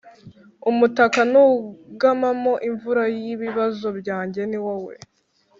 Umutaka nugamamo imvura yibibazo byanjye niwowe